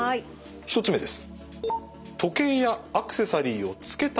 １つ目です。